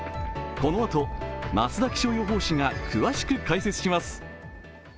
このあと、増田気象予報士が詳しく解説します。